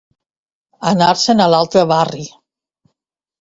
Anar-se'n a l'altre barri.